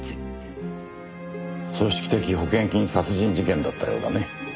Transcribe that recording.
組織的保険金殺人事件だったようだね。